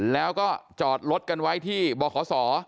แล้วก็จอดรถกันไว้ที่บขศ